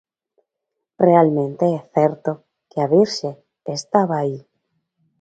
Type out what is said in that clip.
Realmente é certo que a Virxe estaba aí.